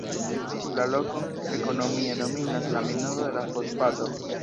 La lokon ekonomie dominas la minado de la fosfato.